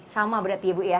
sama berarti ya bu ya